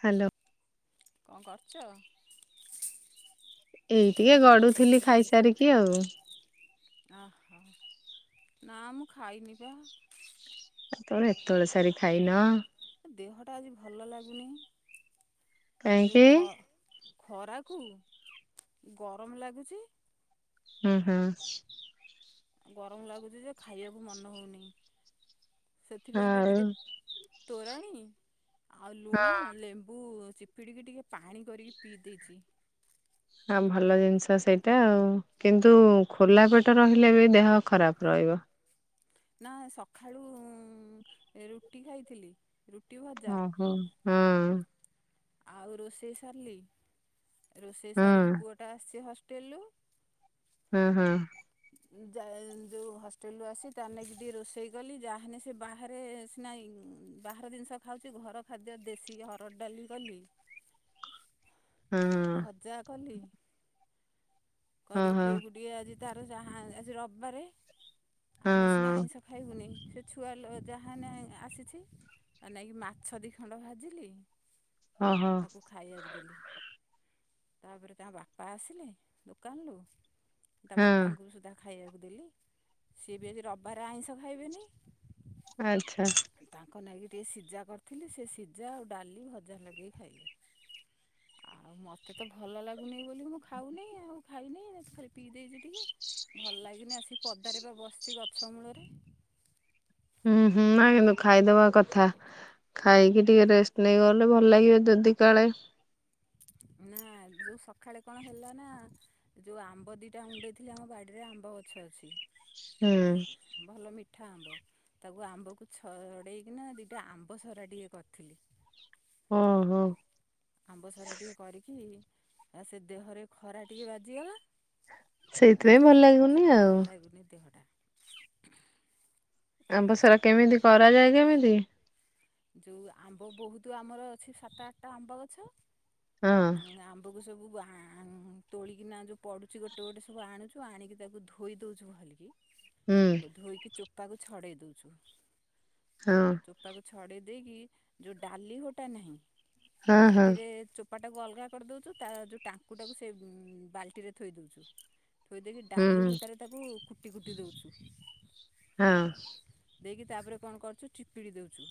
Hello କଣ କରୁଚ? ଏଇ ଟିକେ ଗଡୁଥିଲି ଖାଇସାରିକି ଆଉ। ଅହ ନା ମୁଁ ଖାଇନି ପା। ଏ ତମର ଏତବେଳେ ସାରି ଖାଇନ। ଦେହଟା ଆଜି ଭଲ ଲାଗୁନି ଏ ଯୋଉ କାହିଁକି ଖ ଖରାକୁ ଗରମ ଲାଗୁଚି। ହୁଁ ହୁଁ। ଗରମ ଲାଗୁଛି ଯେ ଖାଇବାକୁ ମନ ହଉନି ସେଥିପାଇଁ ବା ଆଉ ଟିକେ। ତୋରାଣୀ ଆଉ ହଁ ଲୁଣ ଲେମ୍ବୁ ଚିପୁ ପିଡ଼ିକି ଟିକିଏ ପାଣି କରିକି ପିଇ ଦେଇଛି। ହଁ ଭଲ ଜିନିଷ ସେଇଟା ଆଉ କିନ୍ତୁ ଖୋଲା ପେଟ ରହିଲେ ବି ଦେହ ଖରାପ ରହିବ। ନା ସଖାଳୁ ରୁଟି ଖାଇଥିଲି ରୁଟି ଭଜା ହୁଁ ହୁଁ [inaudible] ଆଉ ରୋଷେଇ ସାରିଲି ରୋଷେଇ ହଁ ସାରିକି ପୁଅଟା ଆସିଛି ହଷ୍ଟେଲରୁ ହୁଁ ହୁଁ ଯାଏ ଯଉ ହଷ୍ଟେଲରୁ ଆସି ତାନାଗି ଟିକେ ରୋଷେଇ କଲି ଯାହାନେସେ ବାହାରେ ନାଇଁ ବାହାର ଜିନିଷ ଖାଉଛି ଘର ଖାଦ୍ୟ ଦେଶୀ ହରଡ଼ ଡାଲି କଲି ହଁ। ଭଜା କଲି। ଓହୋ କରିକି ହଁ ପୁଅକୁ ଟିକେ ଆଜି ତାର ଯାହା ଆଜି ରବିବାରେ ଆମେ ସିନା ହଁ ଆଇଁଷ ଖାଇବୁନି ସେ ଛୁଆ ଲୋ ଯାହାନେ ଆସିଛି ତା ନାଇକି ମାଛ ଦି ଖଣ୍ଡ ଭାଜିଲି ହଁ ହଁ ତାକୁ ଖାଇବାକୁ ଦେଲି ତାପରେ ତା ବାପା ଆସିଲେ ଦୋକାନରୁ ତା ହଁ ବାପାଙ୍କୁ ବି ସୁଦ୍ଧା ଖାଇବାକୁ ଦେଲି ସିଏ ବି ଆଜି ରବିବାର ଆଇଁଷ ଖାଇବେନି ଆଛା ତାଙ୍କ ନାଗି ଟିକେ ସିଝା କରିଥିଲି ସେ ସିଝା ଆଉ ଡାଲି ଭଜା ଲଗେଇ ଖାଇଲେ ଆଉ ମତେ ତ ଭଲ ଲାଗୁନି ବୋଲି ମୁଁ ଖାଉନି ଆଉ ଖାଇନି ଖାଲି ପିଇ ଦେଇଛି ଟିକେ ଭଲ ଲାଗିନି ଆସିି ପଦାରେ ବା ବସିଛି ଗଛ ମୂଳରେ ହୁଁ ହୁଁ ନାଇଁ କିନ୍ତୁ ଖାଇଦବା କଥା ଖାଇକି ଟିକେ ରେଷ୍ଟ ନେଇ ଗଲେ ଭଲ ଲାଗିବ ଦଦି କାଳେ ନାହା ଯଉ ସଖାଳେ କଣ ହେଲା ନା ଯଉ ଆମ୍ବ ଦିଟା ଉଣ୍ଡେଇଥିଲି ଆମ ବାଡିରେ ଆମ୍ବ ଗଛ ଅଛି। ହୁଁ ଭଲ ମିଠା ଆମ୍ବ ତାକୁ ଆମ୍ବକୁ ଛଡ଼େଇକିନା ଦୁଇଟା ଆମ୍ବ ସରା ଟିକେ କରିଥିଲି। ଓ ହୋ ଆମ୍ବ ସରା ଟିକେ କରିକି ଆ ସେ ଦେହରେ ଖରା ଟିକେ ବାଜିଗଲା ସେଇଥିପାଇଁ ଭଲ ଲାଗୁନି ଆଉ [unintelligible] ଦେହଟା ଆମ୍ବସରା କେମିତି କରାଯାଏ କେମିତି? ଯଉ ଆମ୍ବ ବହୁତ ଆମର ଅଛି ସାତ ଆଠଟା ଆମ୍ବ ଗଛ ହଁ ଉଁ ଆମ୍ ଆବକୁ ସବୁ ଆଁ ଉ ତୋଳିକିନା ଯଉ ପଡ଼ୁଛି ଗୋଟେ ଗୋଟେ ସବୁ ଆଣୁଛୁ ଆଣିକି ତାକୁ ଧୋଇ ଦଉଛୁ ଭଲିକି ହୁଁ ଧୋଇକି ଚୋପାକୁ ଛଡ଼େଇ ଦେଉଛୁ। ହଁ ଚୋପାକୁ ଛଡ଼େଇ ଦେଇକି ଯଉ ଡାଲି ହୋଟା ନାହିଁ ହଁ ହଁ ବାଲ୍ଟିରେ ଚୋ ପାଟାକୁ ଅଲଗା କରିଦଉଛୁ ତା ଯେଉ ଟାଙ୍କୁଟାକୁ ସେ ବାଲ୍ଟିରେ ଥୋଇ ଦେଉଛୁ ଥୋଇ ଦେଇକି ଡାଲି ହୁଁ ହୋଟାରେ ତାକୁ କୁଟି କୁଟି ଦେଉଛୁ ହଁ ଦେଇକି ତାପରେ କଣ କରୁଛୁ ଚିପିଡ଼ି ଦେଉଛୁ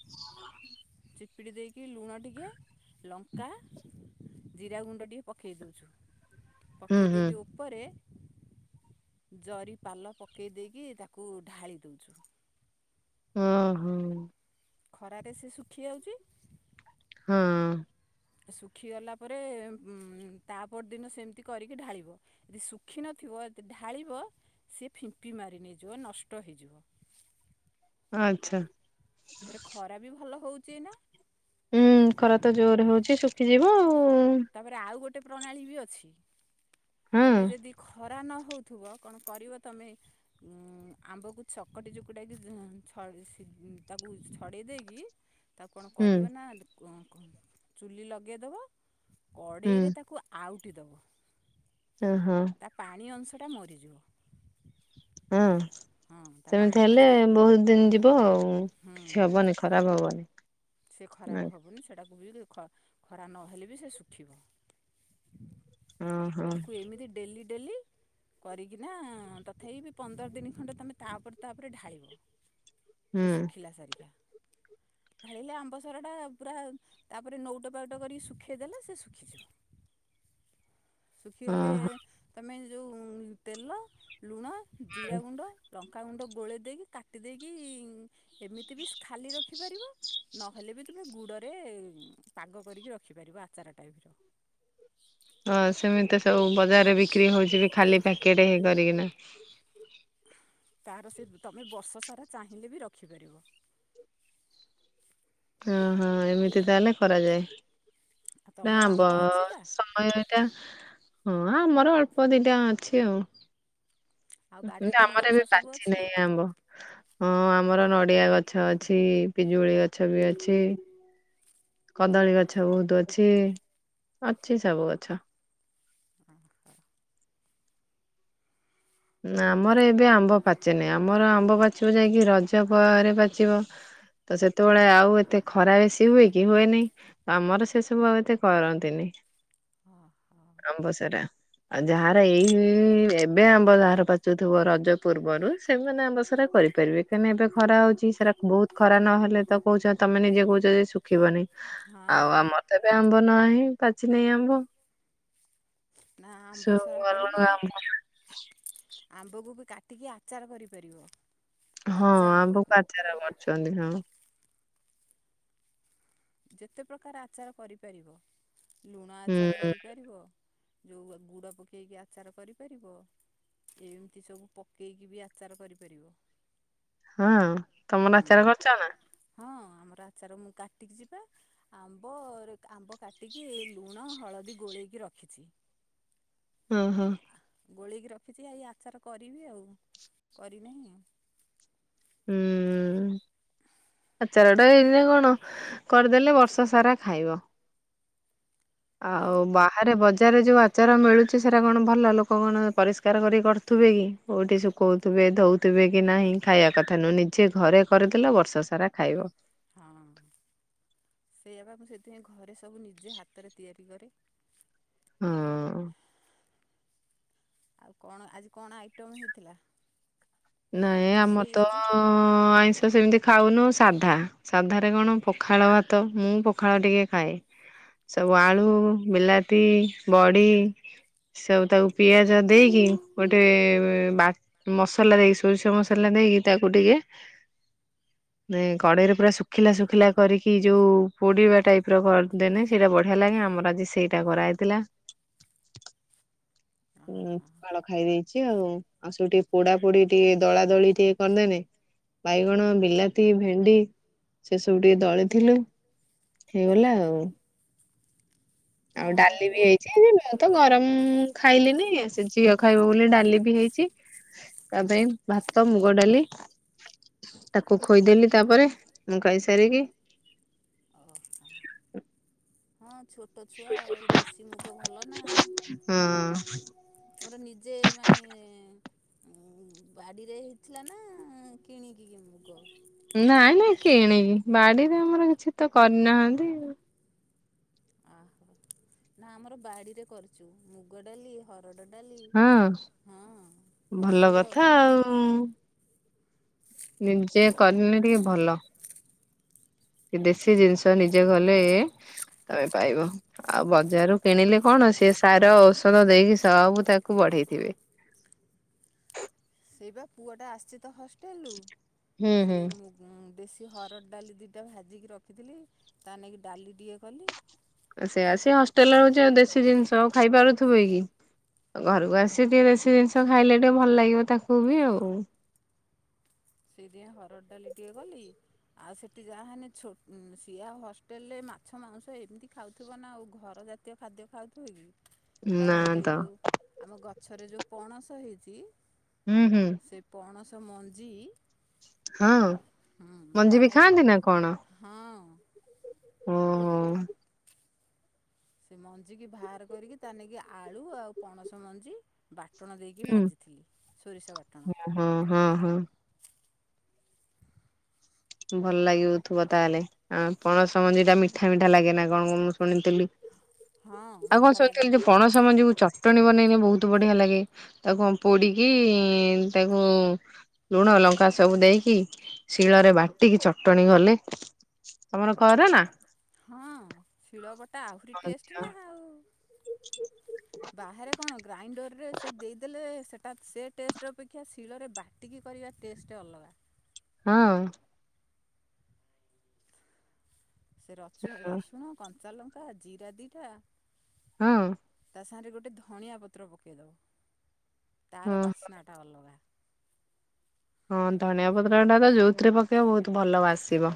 ଚିପିଡ଼ି ଦେଇକି ଲୁଣ ଟିକେ ଲଙ୍କା ଜିରା ଗୁଣ୍ଡ ଟିକେ ପକେଇ ଦଉଛୁ ହୁଁ ପକେଇ ହୁଁ ଦେଇକି ଉ ପରେ ଜରି ପାଲ ପକେଇ ଦେଇକି ତାକୁ ଢାଳି ଦଉଛୁ ହଁ ହଁ। ଖରାରେ ସେ ଶୁଖି ଯାଉଛି। ହଁ ହଁ। ଶୁଖିଗଲା ପରେ ଉଁ ତା ପରଦିନ ସେମିତି କରିକି ଢାଳିବ। ଯଦି ଶୁଖିନଥିବ ଯଦି ଢାଳିବ ସେ ଫିମ୍ପି ମାରି ନେଇଯିବ ନଷ୍ଟ ହେଇଯିବ। ଆଛା। ତାପରେ ଖରା ବି ଭଲ ହଉଛି ଏଇନା? ହୁଁ ଖରା ତ ଜୋର ହଉଛି ଶୁଖିଯିବ ଆଉ ତାପରେ ଆଉ ଗୋଟେ ପ୍ରଣାଳୀ ବି ଅଛି ହଁ ତମେ ଯଦି ଖରା ନହଉଥିବ କଣ କରିବ ତମେ ଆମ୍ବକୁ ଚକଟି ଚକୁଟାକି ଛ ତାକୁ ଛଡ଼େଇ ଦେଇକି ତାକୁ କଣ ହୁଁ କରିବ ନା ଚୁଲି ଲଗେଇଦବ ହୁଁ। କଡ଼େଇରେ ତାକୁ ଆଉଟି ଦେବ। ହ ହଁ। ତା ପାଣି ଅଂଶଟା ମରିଯିବ। ହଁ। ହଁ ତା ସେମିତି ପାଣି ହେଲେ ଅଂଶଟା ବହୁତ ଦିନ ଯିବ ଆଉ ହୁଁ କିଛି ସେ ହବନି ଖରାପ ହବନି। ସେ ଖରାପ ହେବନି ସେଇଟାକୁ ବି ଖରା ନହେଲେ ବି ସେ ଶୁଖିବ। ଓହୋ ତାକୁ ଏମିତି ଡେଲି ଡେଲି କରିକିନା ତଥାପି ବି ପନ୍ଦର ଦିନ ଖଣ୍ଡେ ତମେ ତାପରେ ତାପରେ ଢାଳିବ ସେ ହୁଁ ଶୁଖିଲା ସାରିିକା ଢାଳିଲେ ଆମ୍ବ ସରାଟା ପୁରା ତାପରେ ନଉଟ ପାଉଟ କରିକି ଶୁଖେଇଦେଲେ ସେ ଶୁଖିଯିବ। [inaudible] ଶୁଖିଗଲେ ଓହୋ। ତମେ ଯଉ ତେଲ ଲୁଣ, ଜିରାଗୁଣ୍ଡ ଲଙ୍କାଗୁଣ୍ଡ ଗୋଳେଇ ଦେଇକି କାଟି ଦେଇକି ଏମିତି ବି ଖାଲି ରଖିପାରିବ। ନହେଲେ ବି ତୁମେ ଗୁଡ଼ରେ ପାଗ କରିକି ରଖିପାରିବ ଆଚାର ଟାଇପର। ହଁ ସେମିତି ସବୁ ବଜାରରେ ବିକ୍ରି ହଉଛି ବି ଖାଲି ପ୍ୟାକେଟ କରିକିନା। ତାର ସେ ତମେ ବର୍ଷ ସାରା ଚାହିଁଲେ ବି ରଖିପାରିବ। ଓ ହଁ ଏମିତି ତାହେଲେ କରାଯାଏ ଆଉ ନା ତମର ଆମ୍ୱ ଆମ୍ବ ଅଛି ନା ସମୟ ଟା ହଁ ଆମର ଅଳ୍ପ ଦିଟା ଅଛି ଆଉ। ଆଉ ବାଡ଼ିରେ କଣ ଆମର ଗଛ ଏବେ ସବୁ ପାଚି ଅଛି ନାହିଁ ଆମ୍ବ। ହଁ ଆମର ନଡ଼ିଆ ଗଛ ଅଛି ପିଜୁଳି ଗଛ ବି ଅଛି। କଦଳୀ ଗଛ ବହୁତ ଅଛି ଅଛି ସବୁ ଗଛ। ହଁ। ନା ଆମର ଏବେ ଆମ୍ବ ପାଚେ ନାହି ଆମର ଆମ୍ବ ପାଚିବ ଯାଇକି ରଜ ପରେ ପାଚିବ। ତ ସେତେବେଳେ ଆଉ ଏତେ ଖରା ବେଶୀ ହୁଏ କି ହୁଏ ନାଇଁ। ଆମର ସେ ସବୁ ଆ ଏତେ କରନ୍ତିନି। ଓ ହ। ଆମ୍ୱ ସରା ଆଉ ଯାହାର ଏଇ ଏବେ ଆମ୍ବ ଯାହାର ପାଚୁଥିବ ରଜ ପୂର୍ବରୁ ସେମାନେ ଆମ୍ୱସରା କରିପାରିବେ କାହିଁକିନା ଏବେ ଖରା ହଉଛି ସେଟା ବହୁତ ଖରା ନହେଲେ ତ କହୁଛନ୍ତି ତମେ ନିଜେ କହୁଛ ଯେ ଶୁଖିବନି ହଁ ଆଉ ଆମର ତ ଏବେ ଆମ୍ବ ନାହିଁ ପାଚ ନେଇ ଆମ୍ବ। ନା ସବୁ ଆମ୍ବସରା ଭଲ କରିବ [inaudible] ଆମ୍ବକୁ ବି କାଟିକି ଆଚାର କରିପାରିବ। ହଁ କଞ୍ଚା ଆମ୍ବକୁ ଆମ୍ୱକୁ ଆଚାର କରୁଛନ୍ତି ହଁ। ଯେତେ ପ୍ରକାର ଆଚାର କରିପାରିବ ଲୁଣ ଆଚାର ହୁଁ କରିପାରିବ। ଯୋଉ ଆ ଗୁଡ ପକେଇକି ଆଚାର କରିପାରିବ। ଏମତି ସବୁ ପକେଇକି ବି ଆଚାର କରିପାରିବ। ହଁ ତମର ଆଚାର ହୁଁ କରଚ ନା? ହଁ ଆମର ଆଚାର ମୁଁ କାଟିକି ଯିବା ଆମ୍ବର ଆମ୍ବ କାଟିକି ଲୁଣ, ହଳଦୀ ଗୋଳେଇକି ରଖିଚି। ଓହୋ। ଗୋଳେଇକି ରଖିଚି ଆ ଏଇ ଆଚାର କରିବି ଆଉ କରିନେଇଁ। ହୁଁଉଁ। ଆଚାରଟା ଏଇନା କଣ କରିଦେଲେ ବର୍ଷ ସାରା ଖାଇବ। ଆଉ ବା ଆରେ ବଜାରରେ ଯେଉଁ ଆଚାର ମିଳୁଚି ସେରା କଣ ଭଲ ଲୋକ କଣ ପରିଷ୍କାର କରିକି କରଥୁବେ କି। କୋଉଠି ଶୁକୋଉଥୁବେ ଧୋଉଥୁବେ କି ନାହିଁ ଖାଇବା କଥା ନୁହଁ ନିଜେ ଘରେ କରିଦେଲେ ବର୍ଷ ସାରା ଖାଇବ। ହଁ ସେଇଆପା ମୁଁ ସେଇଥିପାଇଁ ଘରେ ସବୁ ନିଜେ ହାତରେ ତିଆରି କରେ। ହୁଁ। ଆଉ କଣ ଆଜି କଣ ଆଇଟମ ହେଇଥିଲା? ନାଇଁ ଆମର ରୋଷେଇ ତ ଆଜି? ଆଇଁଷ ସେମତି ଖାଉନୋଉ ସାଧା। ସାଧାରେ କଣ ପଖାଳ ଭାତ ମୁଁ ପଖାଳ ଟିକେ ଖାଏ। ସବୁ ଆଳୁ, ବିଲାତି, ବଡି। ସବୁ ତାକୁ ପିଆଜ ଦେଇକି ଗୋଟେ ଏ ବା ମସଲାରେ ଏଇ ସ ଶୋରିଷ ମସଲା ଦେଇକି ତାକୁ ଟିକେ ହ [inaudible] ନାଇ କଡେଇରେ ପୁରା ଶୁଖିଲା ଶୁଖିଲା କରିକି ଯୋଉ ପୋଡିବା ଟାଇପର କରଦେନେ ସେଇଟା ବଢିଆ ଲାଗେ ଆମର ଆଜି ସେଇଟା କରାହେଇଥିଲା। [inaudible] ହଁ ଉଁ ହଁ। ପଖାଳ ଖାଇ ଦେଇଚି ଆଉ ଆଉ ସେଇଠି ପୋଡା ପୋଡି ଟିକେ ଦଳା ଦଳି ଟିକେ କରିଦେନେ ବାଇଗଣ, ବିଲାତି, ଭେଣ୍ଡି ସେ ସବୁ ଟିକେ ଦଳି ଥିଲୁ ହେଇଗଲା ଆଉ। ନା ଆଉ ଡାଲି ବି ପୁଅ ହେଇଚି ଆଜି ବା ତ ଗରମ ଖାଇଲିନି ସେ ଝିଅ ଖାଇବ ବୋଲି ଡାଲି ବି ହେଇଚି। ତା ପାଇଁ ଭାତ, ମୁଗ ଡାଲି ତାକୁ ଖୋଇଦେଲି ତାପରେ ମୁଁ ଖାଇସାରିକି ଓହୋ। ହଁ ଛୋଟ ଛୁଆ ଆଉ ଦେଶୀ ମୁଗ ଭଲ ନା। ହଁ ତମର ନିଜେ ମାନେ ଉଁ ବାଡିରେ ହେଇଥିଲା ନା କିଣିକି ମୁଗ ନାଇଁ ନାଇଁ କିଣି ବାଡିରେ ଆମର କିଛି ତ କରନାହାନ୍ତି। ଅହୋ ନା ଆମର ବାଡ଼ିରେ କରିଚୁ ମୁଗ ଡାଲି ହରଡ଼ ଡାଲି ହଁ ହଁ ଭଲ ମସୁର। କଥା ଆଉ। ନିଜେ କରିନେ ଟିକେ ଭଲ। ଏ ଦେଶୀ ଜିନଷ ନିଜେ ଗଲେ ତମେ ପାଇବ। ଆଉ ବଜାରରୁ କିଣିଲେ କଣ ସିଏ ସାର ଔଷଧ ଦେଇକି ସବୁ ତାକୁ ବଢେଇଥିବେ। ସେଇପା ପୁଅଟା ଆସଚି ତ ହଷ୍ଟେଲରୁ ହୁଁ ହୁଁ। ସେଇ ମୁ ଉଁ ଦେଶୀ ହରଡ଼ ଡାଲି ଦିଇଟା ଭାଜିକି ରଖିଥିଲି ତା ନାଗି ଡାଲି ଟିକିଏ କଲି। ଆ ସେୟା ସିଏ ହଷ୍ଟେଲରେ ରହୁଚି ଆଉ ଦେଶୀ ଜିନଷ ଆଉ ଖାଇପାରୁଥୁବେ କି। ଆଘରକୁ ଆସି ଟିକେ ବେଶୀ ଜିନିଷ ଖାଇଲେ ଟିକିଏ ଭଲ ଲାଗିବ ତାକୁବି ଆଉ। ସେଇଥି ପାଇଁ ହରଡ଼ ଡାଲି ଟିଏ କଲି ଆଉ ସେଠି ଯାହାଁହେନେ ଛୋ ସିଏ ହଷ୍ଟେଲରେ ମାଛ ମାଉଁସ ଏମିତି ଖାଉଥିବନା ଆଉ ଘର ଜା ତୀୟ ଖାଦ୍ୟ ଖାଉଥିବେକି। ତା ନା ନାଗି ତ ଏଯେଉ ଆମ ଗଛରେ ଯେଉ ପଣସ ହେଇଚି ହୁଁ ହୁଁ। ସେ ପଣସ ମଞ୍ଜି ହଁ ହୁଁ ତା ମଞ୍ଜିବି ନାଗି ଖାଆନ୍ତିନା କଣ? ହଁ। ଓହୋ। ସେମଞ୍ଜିିକି ବାହାର କରିକି ତାନାଗି ଆଳୁ ଆଉ ପଣସ ମଞ୍ଜି ବାଟଣ ଦେଇକି ହୁଁ ଭାଜିଥିଲି ସୋରିଷ ବାଟଣ। ହଁ ହଁ ହଁ। ଭଲ ଲାଗିବୁଥିବ ତାହେଲେ ଆପଣସ ମଞ୍ଜିଟା ମିଠା ମିଠା ଲାଗେନା କଣ ମୁଁ ଶୁଣିଥିଲି। ହଁ ଆଉ କଣ ମିଠା ଲାଗେ ଶୁଣିଥିଲି ପା। ଯେପଣସ ମଞ୍ଜିକୁ ଚଟଣିୀ ବନେଇଲେ ବହୁତ୍ ବଢ଼ିଆ ଲାଗେ। ତାକୁ କଁ ପୋଡ଼ିକି ତାକୁ ଲୁଣ ଲଙ୍କା ସବୁ ଦେଇକି ଶିଳରେ ବା ଟିକି ଚଟଣି କଲେ ତମର କରନା? ହଁ ଶିଳବଟା ଆହୁରି ହଁ ଟେଷ୍ଟେନା ଆଉ। ବାହାରେ କଣ ଗ୍ରାଇଣ୍ଡରରେ ସେ ଦେଇଦେଲେ ସେଟା ସେଟେଷ୍ଟ ଅପେକ୍ଷା ଶିଳରେ ବାଟିକି କରିବା ଟେଷ୍ଟ ଅଲଗା। ହଁ। ସେରୁଚୁ ରସୁଣ କଞ୍ଚାଲଙ୍କା ଜିରା ଦିଇଟା ହଁ। ତା ସାଙ୍ଗରେ ଗୋଟେ ଧଣିଆ ପତ୍ର ପକେଇ ଦବ ତାର ହଁ। ବାସ୍ନାଟା ଅଲଗା। ହଁ ଧନିଆ ପତ୍ରଟାତ ଯୋଉଥିରେ ପକେଇବ ବହୁତ୍ ଭଲ ବାସିବ।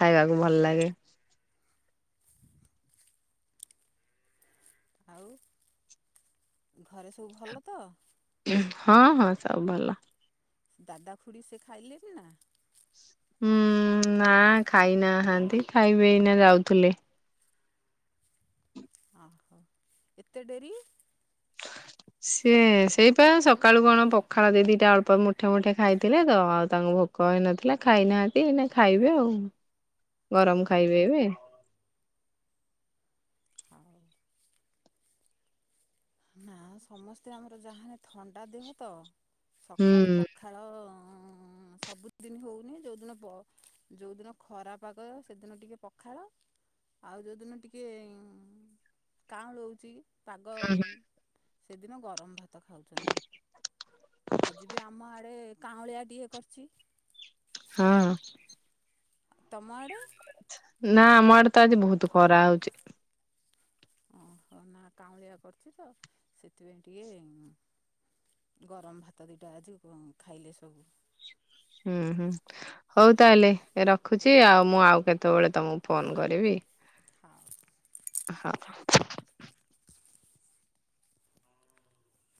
ଖାଇବାକୁ ଭଲ ଲାଗେ। ଆଉ ଘରେ ସବୁ ଭଲତ? ହଁ ହଁ ସବୁ ଭଲ। ଦାଦା ଖୁଡ଼ି ସେଖାଇଲେନା? ହୁଁ ନା ଖାଇନାହାନ୍ତି ଖାଇବେ ଏଇନା ଯାଉଥୁଲେ। ଅହୋ ଏତେ ଡେରି? [inaudible] ସିଏ ସେଇପା ସକାଳୁ କଣ ପଖାଳ ଦି ଦିଟା ଅଳ୍ପ ମୁଠେ ମୁଠେ ଖାଇଥିଲେତ ଆଉ ତାଙ୍କୁ ଭୋକ କହେଇନଥିଲା ଖାଇନାହାନ୍ତି ଏଇନା ଖାଇବେ ଆଉ ଅ ଗରମ ଖାଇବେ ଏବେ। ହଉ। ନା ସମସ୍ତେ ଆମର ଯାହାହେନେ ଥଣ୍ଡା ଦେହତ ସଖାଳୁ ହୁଁ ପଖାଳ ଉଁ ସବୁଦିନି ହଉନି ଯଉଦିନ ବ ଯଉଦିନ ଖରା ପାଗ ସେଦିନ ଟିକେ ପଖାଳ ଆଉ ଯୋଉଦିନ ଟିକେ କାଁଳଉଚି ପାଗ ହୁଁ ସେଦିନ ଗରମ୍ ଭାତ ଖାଉଚନ୍ତି। ଆଜିବି ଆମ ଆଡ଼େ କାଉଁଳିଆ ଟିଏ କରିଚି ହଁ। ତମ ଆଡ଼େ? ନା ଆମ ଆଡ଼େତ ଆଜି ବହୁତ୍ ଖରା ହଉଚି। ଓହୋଃ, ନା କାଉଁଳିଆ କରିଛି ତ ସେଥିପାଇଁ ଟିକେ ଗରମ ଭାତ ଦିଟା ଆଜି ଖାଇଲେ ସବୁ। ହୁଁ ହୁଁ, ହଉ ତାହେଲେ ରଖୁଛି ଆଉ ମୁଁ ଆଉ କେତେବେଳେ ତମକୁ ଫୋନ କରିବି। ହଉ। ହ-ହ